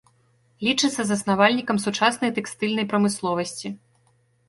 Лічыцца заснавальнікам сучаснай тэкстыльнай прамысловасці.